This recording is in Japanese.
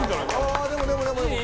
ああでもでもでもでも。